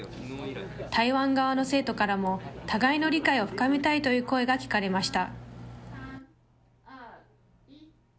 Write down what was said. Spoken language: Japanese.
台湾側の生徒からも、互いの理解を深めたいという声が聞かれました。